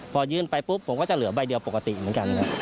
พอยื่นไปปุ๊บผมก็จะเหลือใบเดียวปกติเหมือนกันครับ